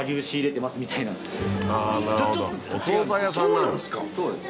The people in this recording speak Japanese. そうなんですか！